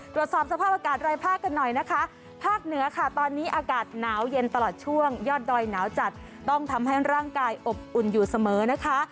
ตรวจสอบสภาพอากาศรายภาคกันหน่อยนะคะภาคเหนือค่ะตอนนี้อากาศหนาวเย็นตลอดช่วงยอดดอยหนาวจัดต้องทำให้ร่างกายอบอุ่นอยู่เสมอนะคะ